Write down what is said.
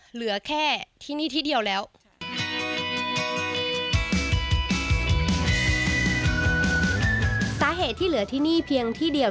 เหลือแค่ที่นี่ที่เดียวแล้ว